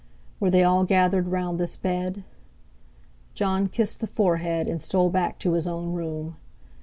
Were they all gathered round this bed? Jon kissed the forehead, and stole back to his own room.